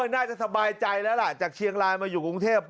สบายใจแล้วล่ะจากเชียงรายมาอยู่กรุงเทพ